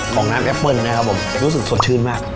ฮือหน้าเป็นน่ะครับผมรู้สึกสดชื่นมาก